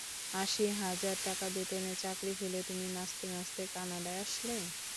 আশি হাজার টাকা বেতনের চাকরি ফেলে তুমি নাচতে নাচতে কানাডায় আসলে।